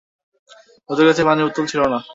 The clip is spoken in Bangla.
ওদের কাছে পানির বোতল ছিল না।